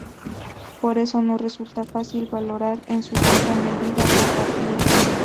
Por eso, no resulta fácil valorar en su justa medida a Papías.